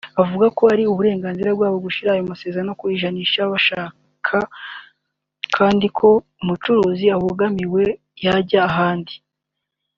Avuga ko ari uburenganzira bwabo gushyira ayo masezerano ku ijanisha bashaka kandi ko umucuruzi ubangamiwe yajya ahandi